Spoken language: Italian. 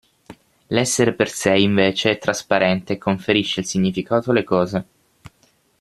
L'essere per sé invece è trasparente e conferisce il significato alle cose.